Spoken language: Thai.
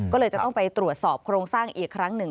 ก็เลยจะต้องไปตรวจสอบโครงสร้างอีกครั้งหนึ่ง